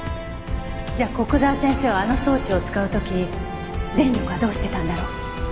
じゃあ古久沢先生はあの装置を使う時電力はどうしてたんだろう。